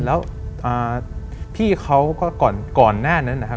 แล้วพี่เขาก็ก่อนหน้านั้นนะครับ